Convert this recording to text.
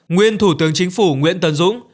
nguyên thủ tướng chính phủ nguyễn tân dũng